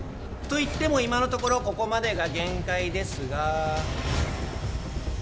いっても今のところここまでが限界ですがー